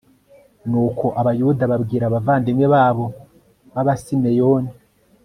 nuko abayuda babwira abavandimwe babo b'abasimeyoni